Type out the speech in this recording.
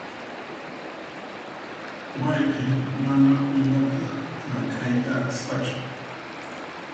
Wayqiy mana uywata hark'ayta atisqachu.